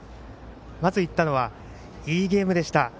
まず言ったのはいいゲームでした。